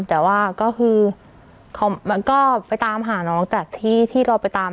แต่ว่าก็คือเขาก็ไปตามหาน้องแต่ที่เราไปตาม